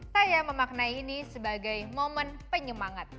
saya memaknai ini sebagai momen penyemangat